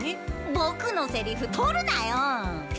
ボクのセリフ取るなよ。